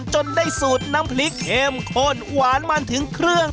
จนได้สูตรน้ำพริกเข้มข้นหวานมันถึงเครื่อง